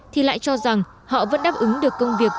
thì lại cho rằng họ vẫn đáp ứng được công việc